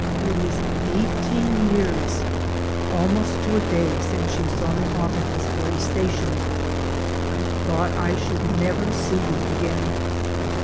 "It is eighteen years almost to a day since you saw me off at this very station. I thought I should never see you again."